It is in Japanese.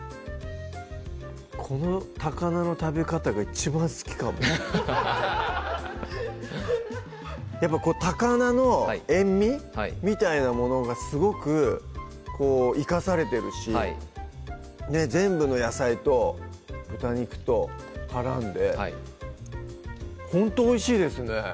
この高菜の食べ方が一番好きかも高菜の塩味みたいなものがすごく生かされてるし全部の野菜と豚肉と絡んではいほんとおいしいですね